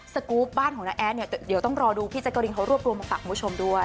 สกรูปบ้านของน้าแอดเนี่ยเดี๋ยวต้องรอดูพี่แจ๊กกะรีนเขารวบรวมมาฝากคุณผู้ชมด้วย